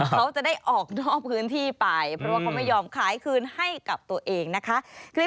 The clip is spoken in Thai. เขาจะได้ออกนอกพื้นที่ไปเพราะว่าเขาไม่ยอมขายคืนให้กับตัวเองนะคะ